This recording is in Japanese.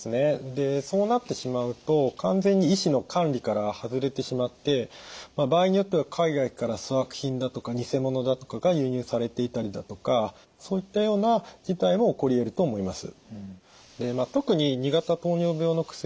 でそうなってしまうと完全に医師の管理から外れてしまって場合によっては海外から粗悪品だとか偽物だとかが輸入されていたりだとかそういったような事態も起こりえると思います。